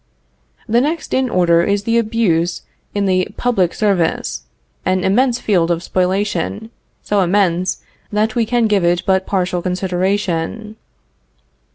The next in order is the abuse in the public service an immense field of spoliation, so immense that we can give it but partial consideration.